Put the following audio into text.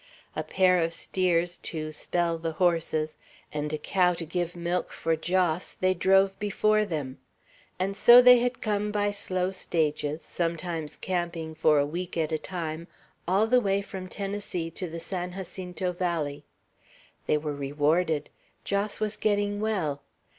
A pair of steers "to spell" the horses, and a cow to give milk for Jos, they drove before them; and so they had come by slow stages, sometimes camping for a week at a time, all the way from Tennessee to the San Jacinto Valley. They were rewarded. Jos was getting well.